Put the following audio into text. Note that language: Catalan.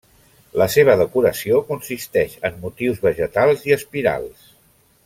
La seva decoració consisteix en motius vegetals i espirals.